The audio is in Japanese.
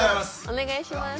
お願いします。